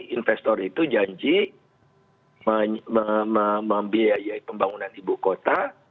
investor itu janji membiayai pembangunan ibu kota